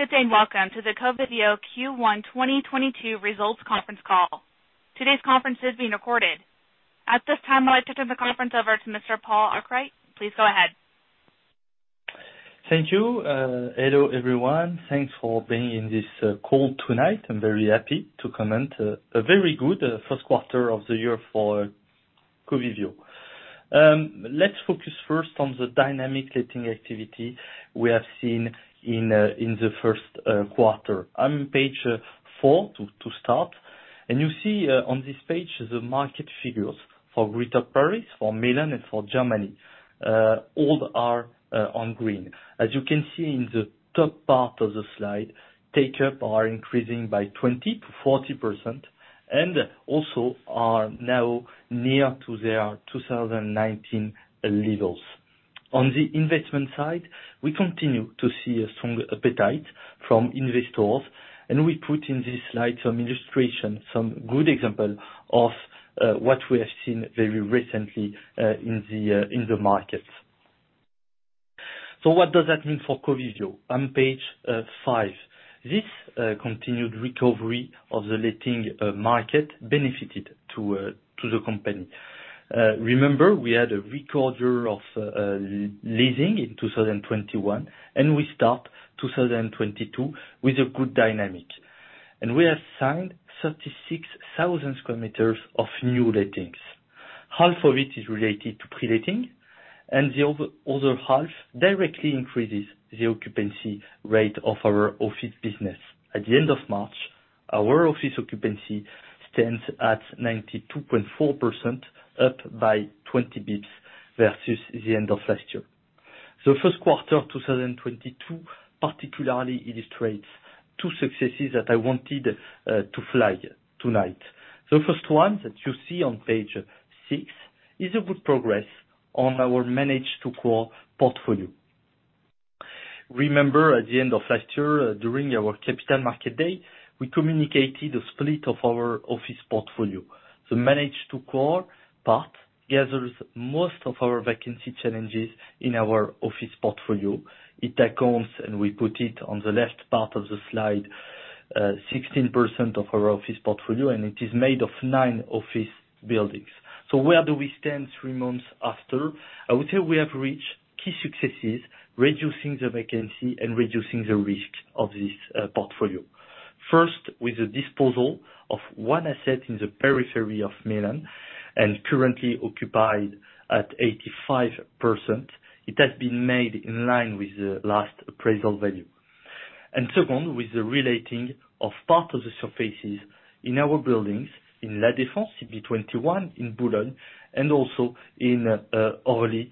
Good day and welcome to the Covivio Q1 2022 results conference call. Today's conference is being recorded. At this time, I'll turn the conference over to Mr. Paul Arkwright. Please go ahead. Thank you. Hello, everyone. Thanks for being in this call tonight. I'm very happy to comment on a very good first quarter of the year for Covivio. Let's focus first on the dynamic letting activity we have seen in the first quarter. On page four to start, and you see on this page, the market figures for Greater Paris, for Milan, and for Germany. All are on green. As you can see in the top part of the slide, take-up is increasing by 20%-40%, and also is now near to their 2019 levels. On the investment side, we continue to see a strong appetite from investors, and we put in this slide some illustration, some good example of what we have seen very recently in the markets. What does that mean for Covivio? On page five. This continued recovery of the letting market benefited the company. Remember, we had a weak quarter of leasing in 2021, and we start 2022 with a good dynamic. We have signed 36,000 sq m of new lettings. Half of it is related to pre-letting, and the other half directly increases the occupancy rate of our office business. At the end of March, our office occupancy stands at 92.4%, up by 20 basis points versus the end of last year. The first quarter of 2022 particularly illustrates two successes that I wanted to flag tonight. The first one that you see on page six is a good progress on our manage-to-core portfolio. Remember at the end of last year, during our capital market day, we communicated a split of our office portfolio. The manage-to-core part gathers most of our vacancy challenges in our office portfolio. It accounts for 16% of our office portfolio, and we put it on the left part of the slide. Where do we stand three months after? I would say we have reached key successes reducing the vacancy and reducing the risk of this portfolio. First, with the disposal of one asset in the periphery of Milan, and currently occupied at 85%. It has been made in line with the last appraisal value. Second, with the reletting of part of the surfaces in our buildings in La Défense CB 21, in Boulogne, and also in Orly,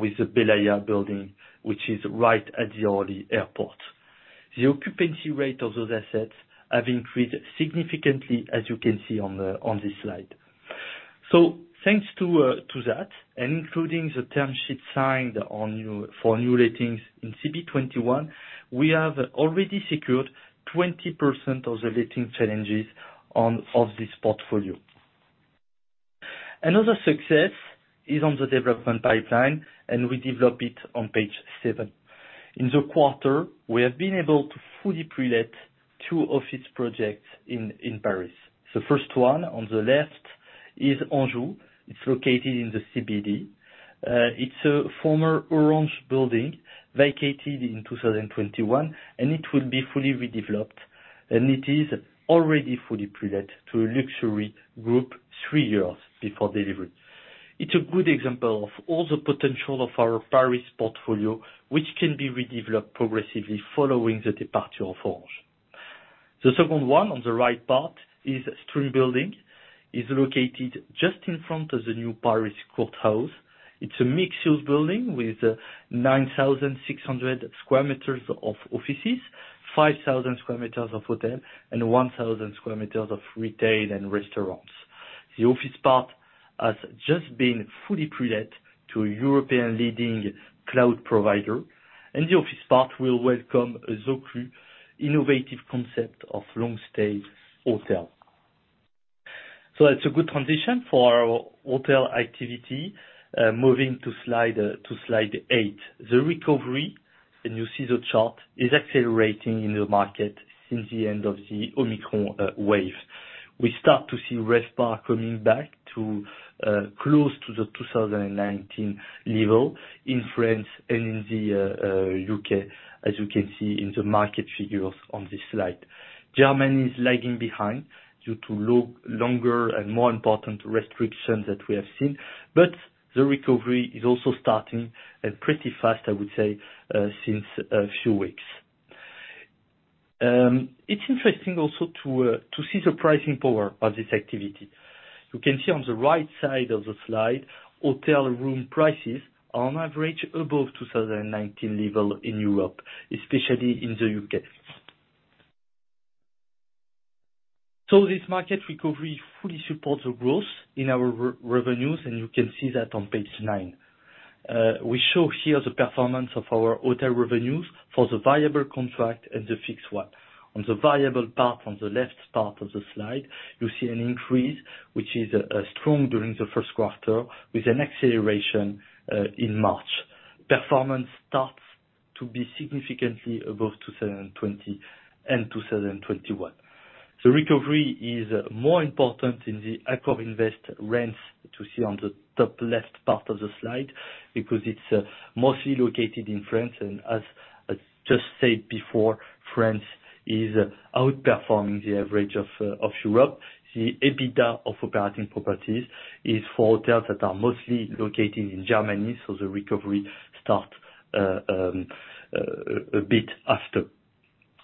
with the Belaïa building, which is right at the Orly Airport. The occupancy rate of those assets has increased significantly, as you can see on this slide. Thanks to that and including the term sheet signed for new lettings in CB 21, we have already secured 20% of the letting challenges of this portfolio. Another success is on the development pipeline, and we develop it on page seven. In the quarter, we have been able to fully pre-let two office projects in Paris. The first one on the left is Anjou. It's located in the CBD. It's a former Orange building vacated in 2021, and it will be fully redeveloped, and it is already fully pre-let to a luxury group three years before delivery. It's a good example of all the potential of our Paris portfolio, which can be redeveloped progressively following the departure of Orange. The second one on the right part is Stream Building, located just in front of the new Paris Court of Justice. It's a mixed-use building with 9,600 sq m of offices, 5,000 sq m of hotel, and 1,000 sq m of retail and restaurants. The office part has just been fully pre-let to a European leading cloud provider, and the office part will welcome OKKO, innovative concept of long-stay hotel. That's a good transition for our hotel activity. Moving to slide eight. The recovery, and you see the chart, is accelerating in the market since the end of the Omicron wave. We start to see RevPAR coming back to close to the 2019 level in France and in the U.K., as you can see in the market figures on this slide. Germany is lagging behind due to longer and more important restrictions that we have seen, but the recovery is also starting, and pretty fast, I would say, since a few weeks. It's interesting also to see the pricing power of this activity. You can see on the right side of the slide, hotel room prices are on average above 2019 level in Europe, especially in the U.K. This market recovery fully supports the growth in our revenues, and you can see that on page nine. We show here the performance of our hotel revenues for the variable contract and the fixed one. On the variable part, on the left part of the slide, you see an increase, which is strong during the first quarter, with an acceleration in March. Performance starts to be significantly above 2020 and 2021. Recovery is more important in the AccorInvest rents to see on the top left part of the slide, because it's mostly located in France, and as I just said before, France is outperforming the average of Europe. The EBITDA of operating properties is for hotels that are mostly located in Germany, so the recovery start a bit after.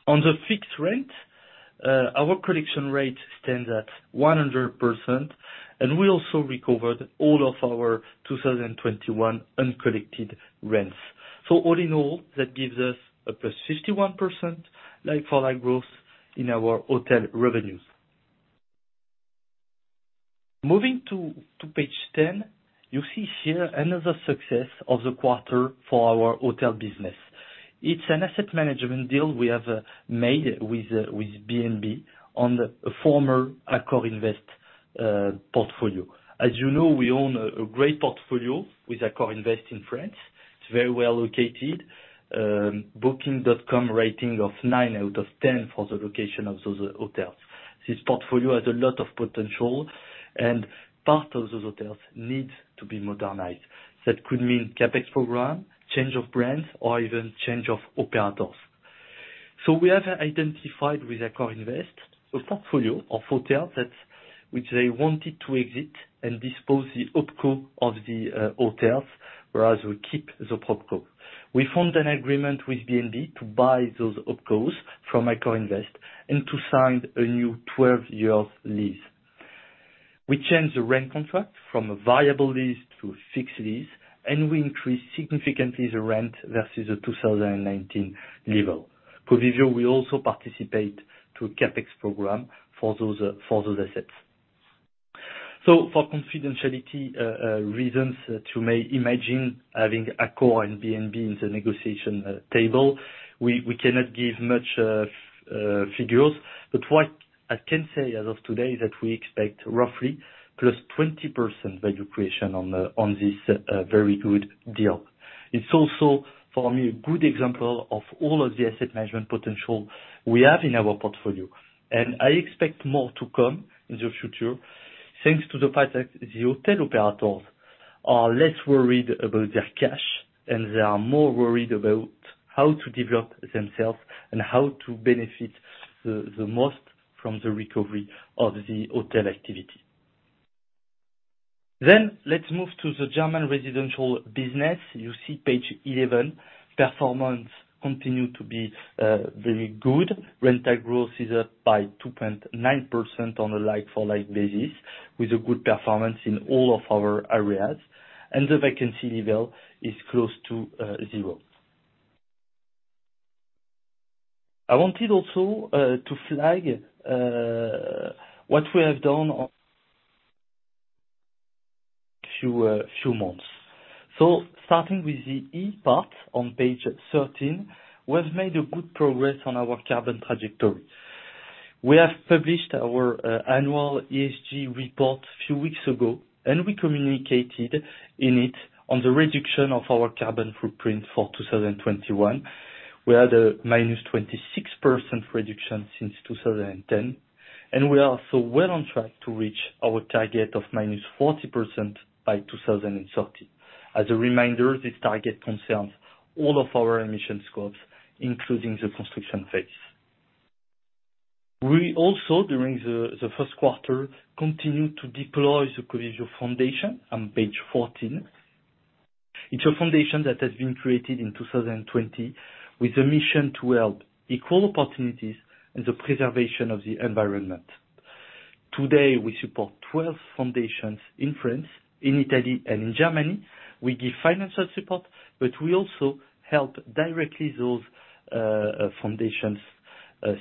On the fixed rent, our collection rate stands at 100%, and we also recovered all of our 2021 uncollected rents. All in all, that gives us a +51% like-for-like growth in our hotel revenues. Moving to page 10, you see here another success of the quarter for our hotel business. It's an asset management deal we have made with B&B on the former AccorInvest portfolio. As you know, we own a great portfolio with AccorInvest in France. It's very well located. Booking.com rating of 9 out of 10 for the location of those hotels. This portfolio has a lot of potential, and part of those hotels need to be modernized. That could mean CapEx program, change of brands, or even change of operators. We have identified with AccorInvest a portfolio of hotels which they wanted to exit and dispose the OpCo of the hotels, whereas we keep the PropCo. We found an agreement with B&B to buy those OpCo from AccorInvest and to sign a new 12-year lease. We changed the rent contract from a variable lease to a fixed lease, and we increased significantly the rent versus the 2019 level. Covivio will also participate to a CapEx program for those assets. For confidentiality reasons to imagine having Accor and B&B in the negotiation table, we cannot give much figures, but what I can say as of today is that we expect roughly +20% value creation on this very good deal. It's also, for me, a good example of all of the asset management potential we have in our portfolio. I expect more to come in the future thanks to the fact that the hotel operators are less worried about their cash, and they are more worried about how to develop themselves and how to benefit the most from the recovery of the hotel activity. Let's move to the German residential business. You see page 11. Performance continues to be very good. Rental growth is up by 2.9% on a like-for-like basis with a good performance in all of our areas, and the vacancy level is close to zero. I wanted also to flag what we have done in the past few months. Starting with the ESG part on page 13, we've made good progress on our carbon trajectory. We have published our annual ESG report a few weeks ago, and we communicated in it on the reduction of our carbon footprint for 2021. We had a -26% reduction since 2010, and we are so well on track to reach our target of -40% by 2030. As a reminder, this target concerns all of our emission scopes including the construction phase. We also, during the first quarter, continued to deploy the Covivio Foundation on page 14. It's a foundation that has been created in 2020 with the mission to help equal opportunities and the preservation of the environment. Today, we support 12 foundations in France, in Italy and in Germany. We give financial support, but we also help directly those foundations,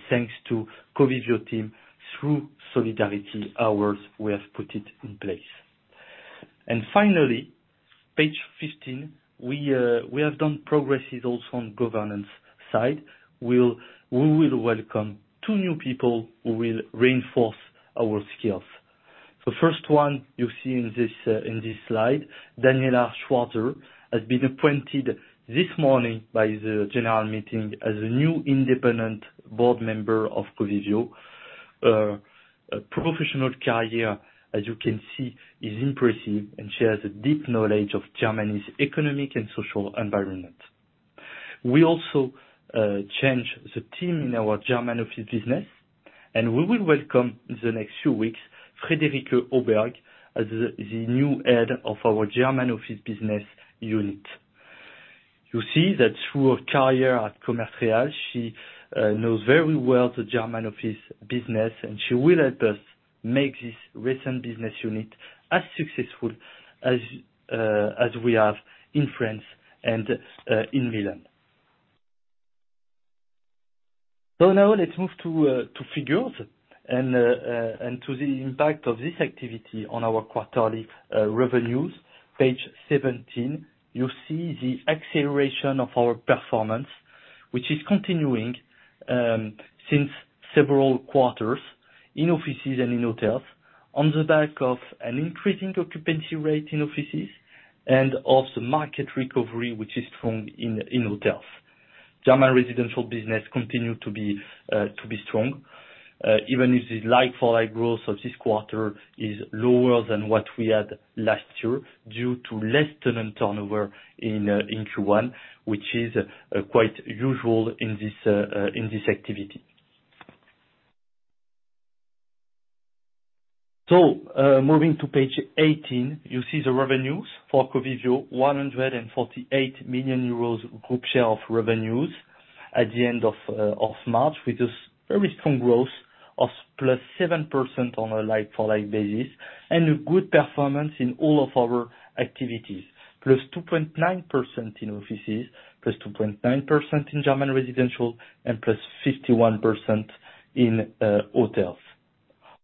thanks to Covivio team through solidarity hours we have put in place. Finally, page 15, we have done progress also on governance side. We will welcome two new people who will reinforce our skills. The first one you see in this slide, Daniela Schwarzer, has been appointed this morning by the general meeting as a new Independent Board Member of Covivio. Her professional career, as you can see, is impressive, and she has a deep knowledge of Germany's economic and social environment. We also changed the team in our German Office Business, and we will welcome in the next few weeks, Friederike Auberger, as the new Head of our German Office Business Unit. You see that through her career at Commerz Real, she knows very well the German office business, and she will help us make this recent business unit as successful as we have in France and in Milan. Now let's move to figures and to the impact of this activity on our quarterly revenues. Page 17, you see the acceleration of our performance, which is continuing since several quarters in offices and in hotels on the back of an increasing occupancy rate in offices and also market recovery, which is strong in hotels. German residential business continue to be strong, even if the like-for-like growth of this quarter is lower than what we had last year due to less tenant turnover in Q1, which is quite usual in this activity. Moving to page 18, you see the revenues for Covivio, 148 million euros group share of revenues at the end of March, with a very strong growth of +7% on a like-for-like basis, and a good performance in all of our activities. +2.9% in offices, +2.9% in German residential, and +51% in hotels.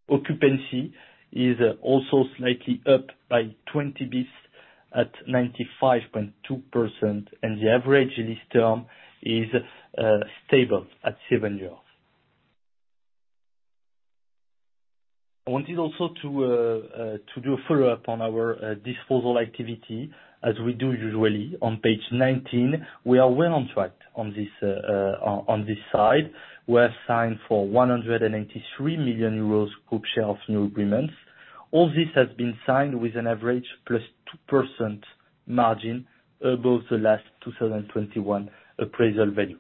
Occupancy is also slightly up by 20 basis points at 95.2%, and the average lease term is stable at seven years. I wanted also to do a follow-up on our disposal activity as we do usually. On page 19, we are well on track on this side. We have signed for 183 million euros group share of new agreements. All this has been signed with an average +2% margin above the last 2021 appraisal value.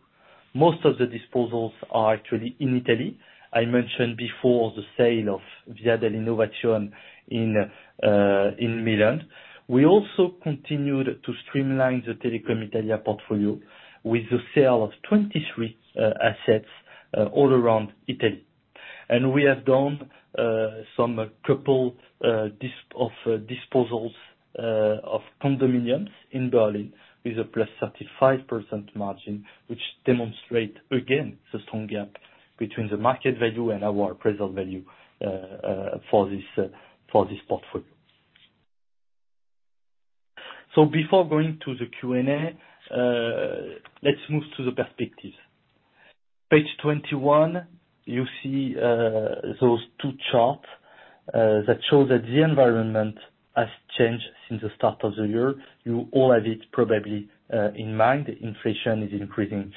Most of the disposals are actually in Italy. I mentioned before the sale of Via dell'Innovazione in Milan. We also continued to streamline the Telecom Italia portfolio with the sale of 23 assets all around Italy. We have done some couple of disposals of condominiums in Berlin with a plus 35% margin, which demonstrate again the strong gap between the market value and our appraisal value for this portfolio. Before going to the Q&A, let's move to the perspectives. Page 21, you see those two charts that show that the environment has changed since the start of the year. You all have it probably in mind. Inflation is increasing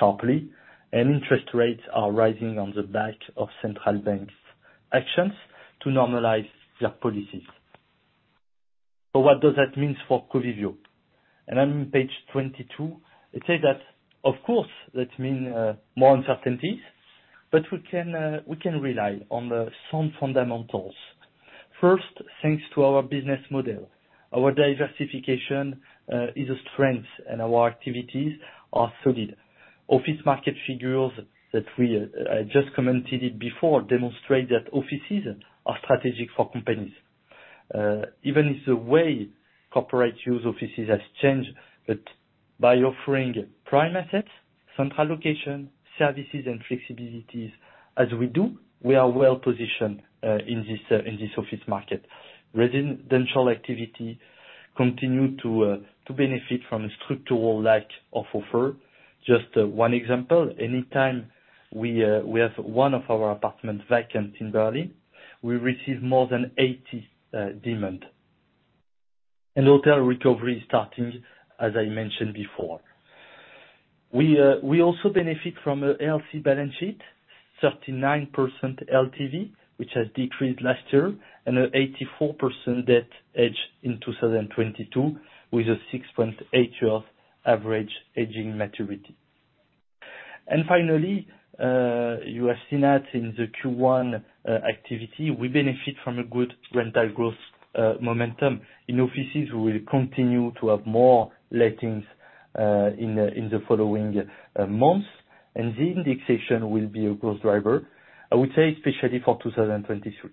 sharply and interest rates are rising on the back of central bank's actions to normalize their policies. What does that means for Covivio? On page 22, it says that of course that mean more uncertainties, but we can rely on some fundamentals. First, thanks to our business model, our diversification is a strength, and our activities are solid. Office market figures that we I just commented it before demonstrate that offices are strategic for companies. Even if the way corporate use offices has changed, but by offering prime assets, central location, services, and flexibilities as we do, we are well-positioned in this office market. Residential activity continue to benefit from a structural lack of offer. Just one example, anytime we have one of our apartments vacant in Berlin, we receive more than 80 demand. Hotel recovery is starting, as I mentioned before. We also benefit from a healthy balance sheet, 39% LTV, which has decreased last year, and an 84% debt hedge in 2022, with a 6.8-year average debt maturity. Finally, you have seen that in the Q1 activity, we benefit from a good rental growth momentum. In offices, we continue to have more lettings in the following months, and the indexation will be a growth driver, I would say especially for 2023.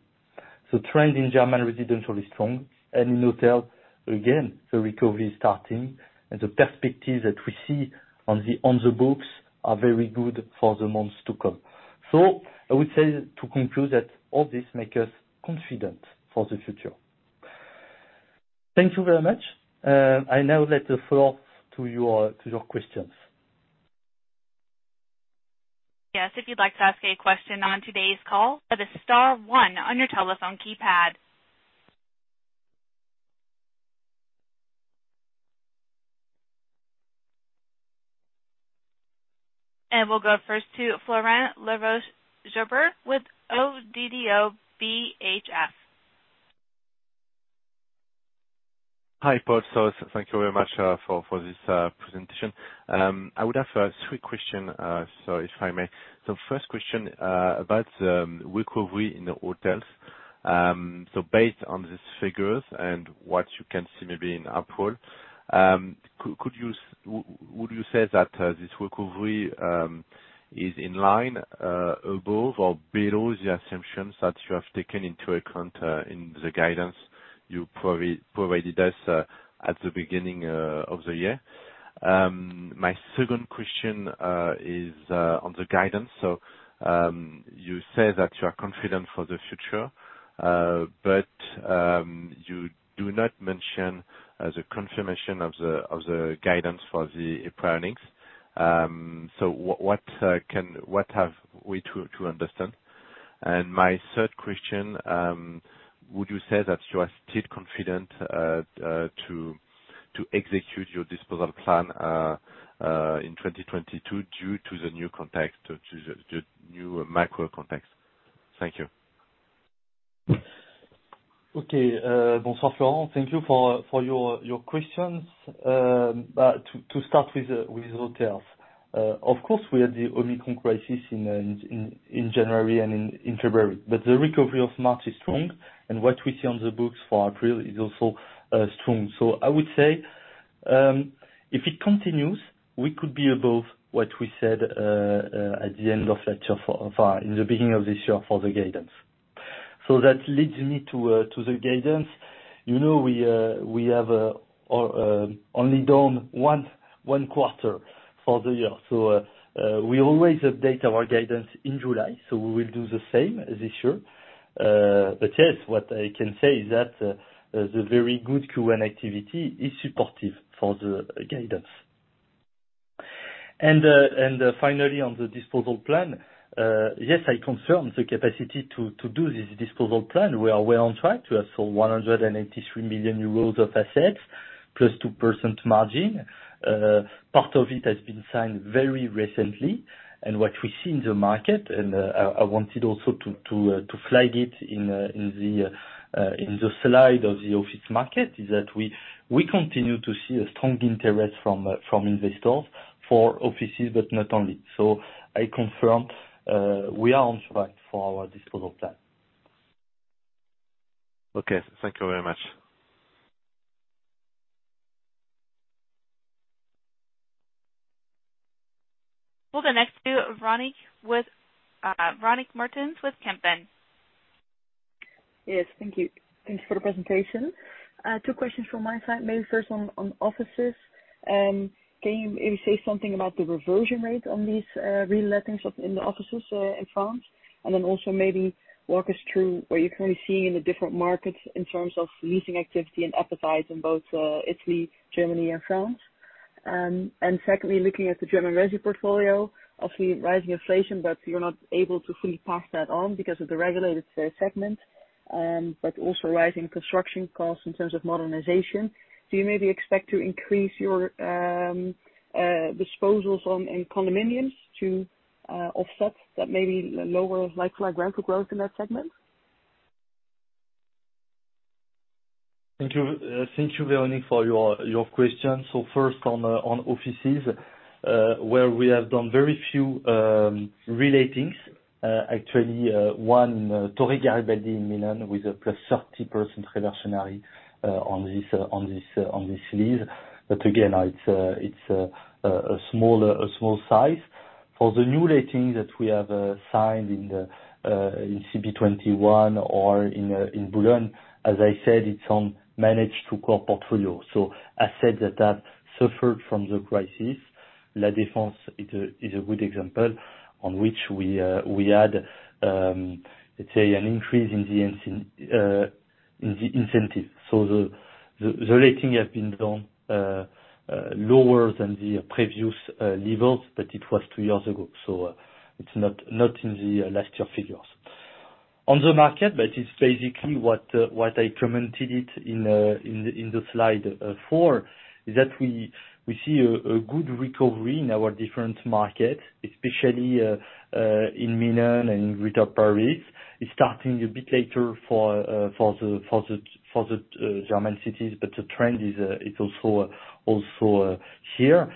The trend in German residential is strong, and in hotel, again, the recovery is starting, and the perspectives that we see on the books are very good for the months to come. I would say to conclude that all this make us confident for the future. Thank you very much. I now let the floor to your questions. Yes, if you'd like to ask a question on today's call, press star one on your telephone keypad. We'll go first to Florent Laroche-Joubert with ODDO BHF. Hi, Paul. Thank you very much for this presentation. I would have three questions, if I may. The first question about the recovery in the hotels. Based on these figures and what you can see maybe in April, would you say that this recovery is in line, above or below the assumptions that you have taken into account in the guidance you provided us at the beginning of the year? My second question is on the guidance. You say that you are confident for the future, but you do not mention the confirmation of the guidance for the earnings. What have we to understand? My third question, would you say that you are still confident to execute your disposal plan in 2022 due to the new context to the new macro context? Thank you. Okay, Bonsoir, Florent. Thank you for your questions. To start with the hotels. Of course, we had the Omicron crisis in January and February, but the recovery of March is strong, and what we see on the books for April is also strong. I would say, if it continues, we could be above what we said at the end of that year in the beginning of this year for the guidance. That leads me to the guidance. You know, we have only done one quarter for the year. We always update our guidance in July, so we will do the same this year. Yes, what I can say is that the very good Q1 activity is supportive for the guidance. Finally on the disposal plan, yes, I confirm the capacity to do this disposal plan. We are well on track. We have sold 183 million euros of assets plus 2% margin. Part of it has been signed very recently. What we see in the market, I wanted also to flag it in the slide of the office market, is that we continue to see a strong interest from investors for offices, but not only. I confirm, we are on track for our disposal plan. Okay, thank you very much. We'll go next to Véronique Meertens with Kempen. Yes, thank you. Thank you for the presentation. Two questions from my side, maybe first on offices. Can you maybe say something about the reversion rate on these relettings in the offices in France? Then also maybe walk us through what you're currently seeing in the different markets in terms of leasing activity and appetite in both Italy, Germany and France. Secondly, looking at the German resi portfolio. Obviously rising inflation, but you're not able to fully pass that on because of the regulated sales segment, but also rising construction costs in terms of modernization. Do you maybe expect to increase your disposals in condominiums to offset that maybe lower like-for-like rental growth in that segment? Thank you. Thank you, Véronique, for your questions. First on offices, where we have done very few relettings, actually, one, Torre Garibaldi in Milan with a +30% reversionary on this lease. Again, it's a small size. For the new letting that we have signed in CB 21 or in Boulogne, as I said, it's on manage-to-core portfolio. Assets that have suffered from the crisis. La Défense is a good example on which we had, let's say an increase in the incentive. The letting has been done lower than the previous levels, but it was two years ago, so it's not in the last year figures. On the market, but it's basically what I commented on it in the slide 4 is that we see a good recovery in our different markets, especially in Milan and Greater Paris. It's starting a bit later for the German cities, but the trend is also here.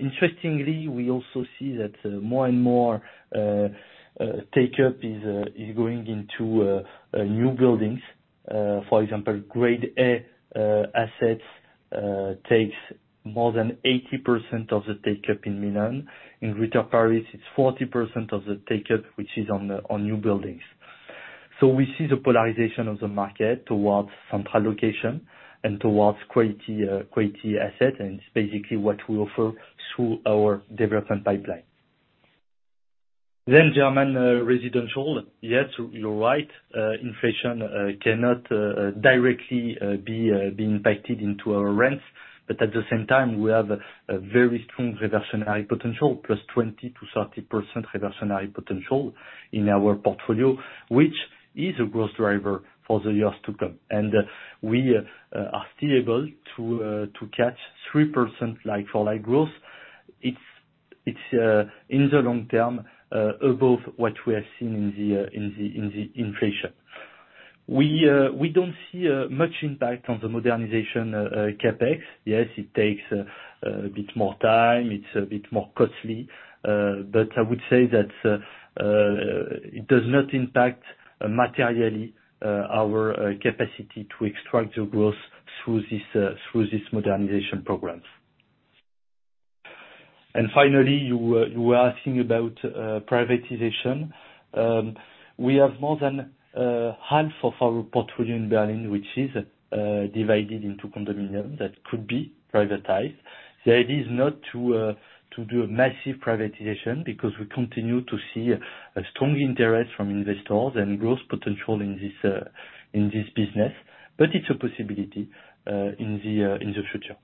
Interestingly, we also see that more and more take-up is going into new buildings. For example, Grade A assets take more than 80% of the take-up in Milan. In Greater Paris, it's 40% of the take-up which is on new buildings. We see the polarization of the market towards central location and towards quality assets, and it's basically what we offer through our development pipeline. Then German residential. Yes, you're right, inflation cannot directly be impacted into our rents. But at the same time, we have a very strong reversionary potential, plus 20%-30% reversionary potential in our portfolio, which is a growth driver for the years to come. We are still able to catch 3% like-for-like growth. It's in the long term above what we have seen in the inflation. We don't see much impact on the modernization CapEx. Yes, it takes a bit more time, it's a bit more costly, but I would say that it does not impact materially our capacity to extract the growth through this modernization programs. Finally, you were asking about privatization. We have more than half of our portfolio in Berlin, which is divided into condominiums that could be privatized. The idea is not to do a massive privatization because we continue to see a strong interest from investors and growth potential in this business, but it's a possibility in the future.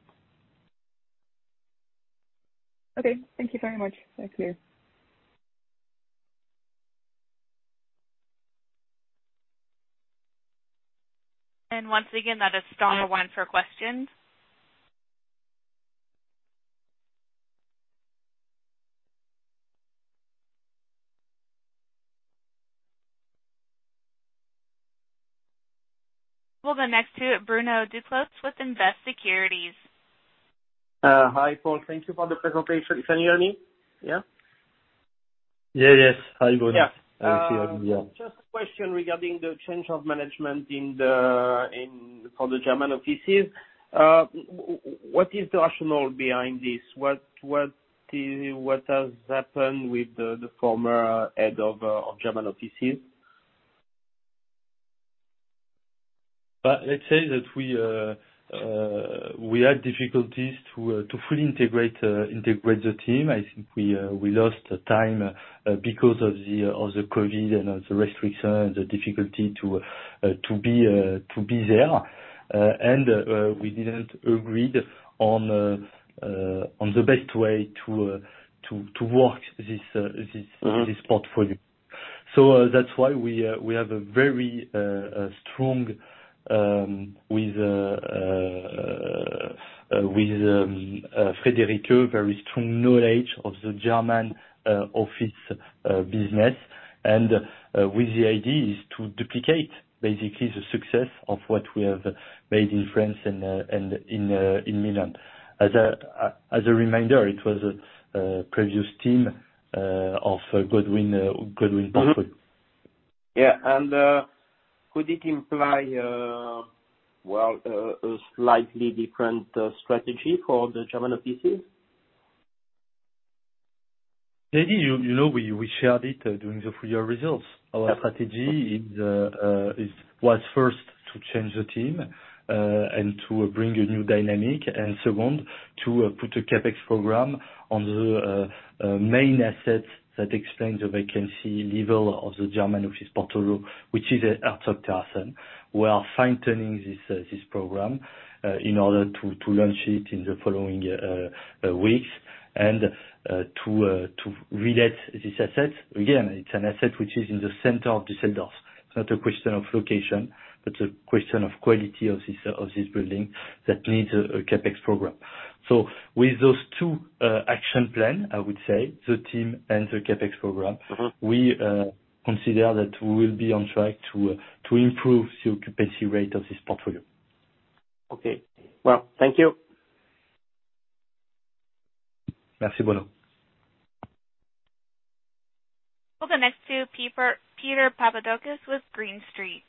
Okay, thank you very much. That's clear. Once again, that is star one for questions. We'll go next to Bruno Duclos with Invest Securities. Hi, Paul. Thank you for the presentation. Can you hear me? Yeah? Yeah. Yes. Hi, Bruno. Yeah. I can hear you, yeah. Just a question regarding the change of management for the German offices. What is the rationale behind this? What has happened with the former head of German offices? Let's say that we had difficulties to fully integrate the team. I think we lost time because of the COVID and of the restriction and the difficulty to be there. We didn't agreed on the best way to work this portfolio. That's why we have a very strong with Friederike Auberger very strong knowledge of the German office business. With the idea is to duplicate basically the success of what we have made in France and in Milan. As a reminder, it was a previous team of Godewind Immobilien. Could it imply, well, a slightly different strategy for the German offices? Maybe. You know, we shared it during the full year results. Yeah. Our strategy was first to change the team and to bring a new dynamic, and second, to put a CapEx program on the main assets that explain the vacancy level of the German office portfolio, which is at Potsdamer Platz. We are fine-tuning this program in order to launch it in the following weeks, and to relet this asset. Again, it's an asset which is in the center of the sellers. It's not a question of location, but a question of quality of this building that needs a CapEx program. With those two-action plan, I would say, the team and the CapEx program. Mm-hmm We consider that we will be on track to improve the occupancy rate of this portfolio. Okay. Well, thank you. Merci, Bruno. We'll go next to Peter Papadakos with Green Street.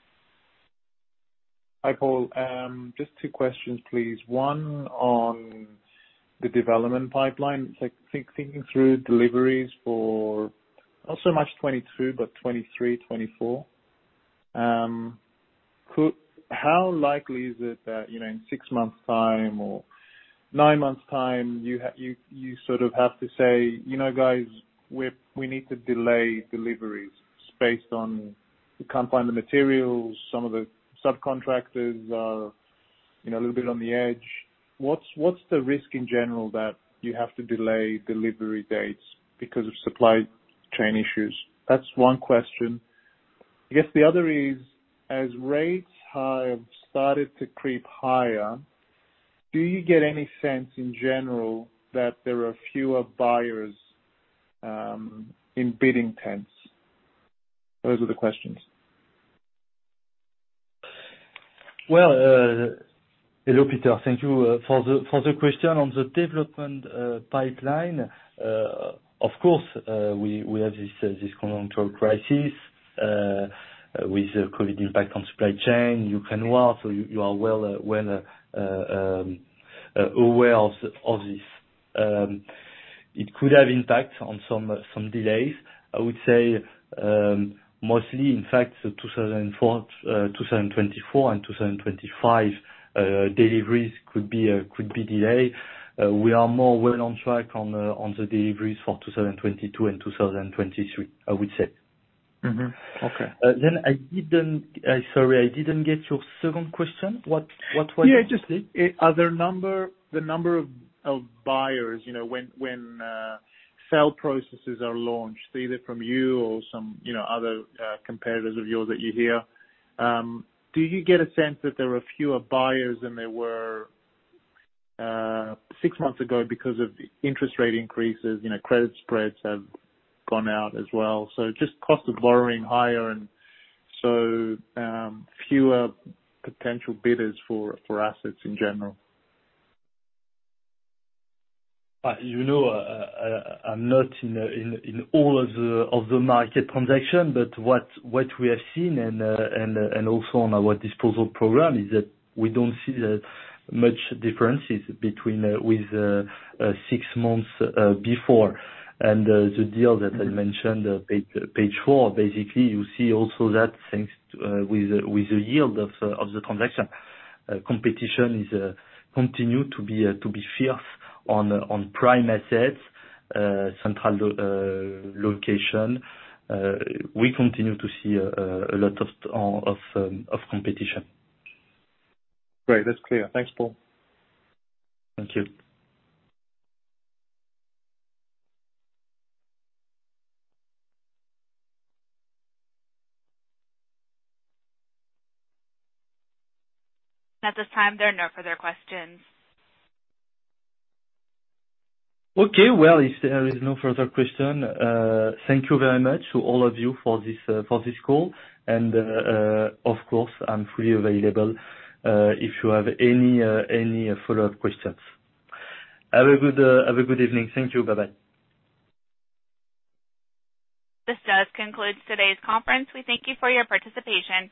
Hi, Paul. Just two questions, please. One on the development pipeline. Thinking through deliveries for not so much 2022 but 2023, 2024. How likely is it that, you know, in six months' time or nine months' time, you sort of have to say, "You know, guys, we need to delay deliveries based on we can't find the materials, some of the subcontractors are, you know, a little bit on the edge." What's the risk in general that you have to delay delivery dates because of supply chain issues? That's one question. I guess the other is, as rates have started to creep higher, do you get any sense in general that there are fewer buyers in bidding tents? Those are the questions. Well, hello, Peter. Thank you for the question. On the development pipeline, of course, we have this continental crisis with the COVID impact on supply chain. You are well aware of this. It could have impact on some delays. I would say, mostly, in fact, 2024 and 2025 deliveries could be delayed. We are more well on track on the deliveries for 2022 and 2023, I would say. Mm-hmm. Okay. Sorry, I didn't get your second question. What was– Yeah, just the number of buyers, you know, when sale processes are launched, either from you or some, you know, other competitors of yours that you hear, do you get a sense that there are fewer buyers than there were six months ago because of interest rate increases? You know, credit spreads have gone out as well. Just cost of borrowing higher and so fewer potential bidders for assets in general. You know, I'm not in all of the market transactions, but what we have seen and also on our disposal program is that we don't see that much difference between six months before. The deal that I mentioned, page four. Basically you see also that the yield of the transaction competition continues to be fierce on prime assets, central location. We continue to see a lot of competition. Great. That's clear. Thanks, Paul. Thank you. At this time, there are no further questions. Okay. Well, if there is no further question, thank you very much to all of you for this call. Of course, I'm fully available if you have any follow-up questions. Have a good evening. Thank you. Bye-bye. This does conclude today's conference. We thank you for your participation.